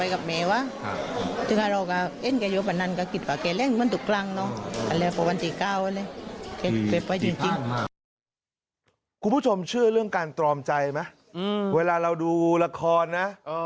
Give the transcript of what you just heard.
คุณผู้ชมเชื่อเรื่องการตรอมใจไหมเวลาเราดูละครนะ